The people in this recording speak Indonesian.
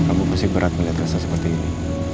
kamu pasti berat melihat elsa seperti ini